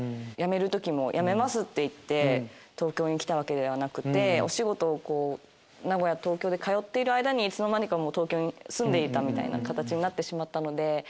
辞める時も辞めますって言って東京に来たわけではなくてお仕事を名古屋東京で通っている間にいつの間にか東京に住んでいたみたいな形になってしまったので。